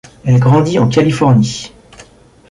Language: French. Elle grandit en Californie.